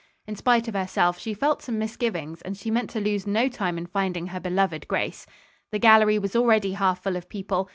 In spite of herself she felt some misgivings and she meant to lose no time in finding her beloved Grace. The gallery was already half full of people.